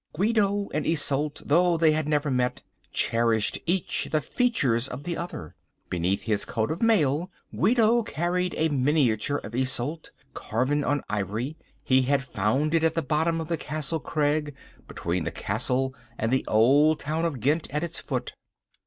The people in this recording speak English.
Guido and Isolde, though they had never met, cherished each the features of the other. Beneath his coat of mail Guido carried a miniature of Isolde, carven on ivory. He had found it at the bottom of the castle crag, between the castle and the old town of Ghent at its foot.